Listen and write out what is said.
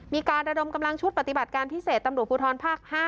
มีการระดมกำลังชุดปฏิบัติการพิเศษตำรวจภูทรภาค๕